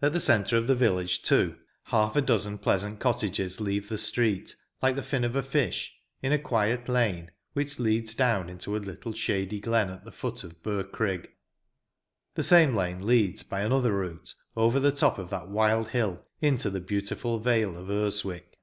At the centre of the village, too, half a dozen pleasant cottages leave the street, and stand out, like the fin of a fish, in a quiet lane, which leads down into a little shady glen at the foot of Birkrigg. The same lane leads, by another route, over the top of that wild hill, into the beautiful vale of Urswick.